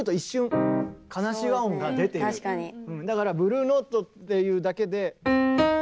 だからブルーノートっていうだけで。